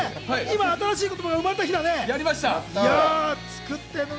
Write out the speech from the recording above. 新しいものが生まれた日だね。